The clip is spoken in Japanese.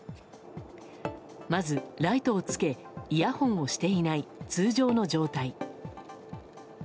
まず、ライトをつけイヤホンをしていない通常の状態。